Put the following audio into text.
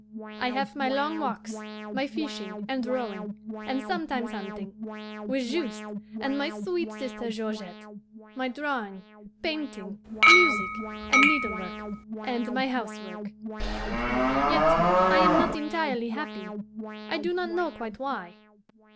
I have my long walks, my fishing and rowing, and sometimes hunting, with Juste and my sweet sister Georgette, my drawing, painting, music, and needlework, and my housework. Yet I am not entirely happy, I do not know quite why.